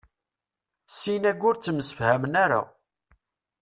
Sin-agi ur ttemsefhamen ara.